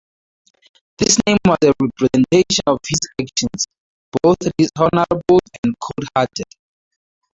This name was a representation of his actions, both dishonorable and cold-hearted.